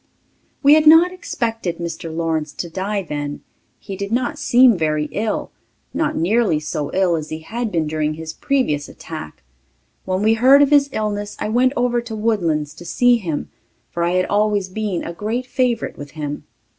We had not expected Mr. Lawrence to die then. He did not seem very ill ... not nearly so ill as he had been during his previous attack. When we heard of his illness I went over to Woodlands to see him, for I had always been a great favourite with him.